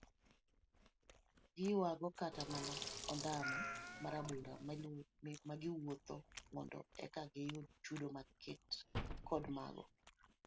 Giyuago kata mana ondamo marabora magiwuotho mondo eka giyud chudo maket kod mago